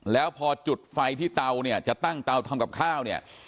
แล้วพอจุดไฟที่เตาเนี่ยจะตั้งเตาทำกับข้าวเนี่ย